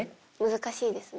難しいですね。